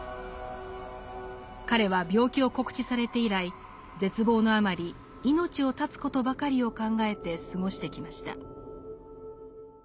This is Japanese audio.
彼は病気を告知されて以来絶望のあまり命を絶つことばかりを考えて過ごしてきました。